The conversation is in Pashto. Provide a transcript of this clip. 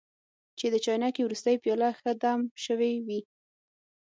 چې د چاینکې وروستۍ پیاله ښه دم شوې وي.